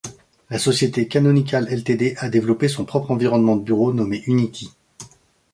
La société Canonical Ltd a développé son propre environnement de bureau nommé Unity.